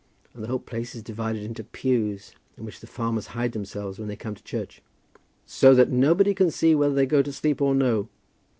And the whole place is divided into pews, in which the farmers hide themselves when they come to church." "So that nobody can see whether they go to sleep or no.